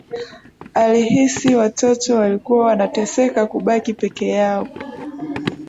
Alihisi watoto walikuwa wanateseka kubaki peke yao